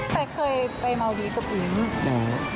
แต่เคยไปเมาดีฟกับอิ๊งอืม